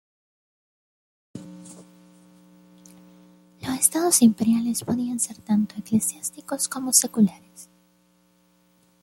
Los Estados Imperiales podían ser tanto eclesiásticos como seculares.